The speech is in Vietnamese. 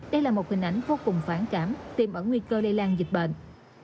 đây là một hình ảnh vô cùng phản cảm tìm ẩn nguy cơ lây lan dịch bệnh